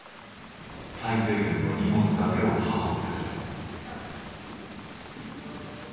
最低限の荷物だけを運び出す。